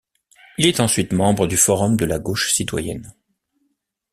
Il est ensuite membre du forum de la gauche citoyenne.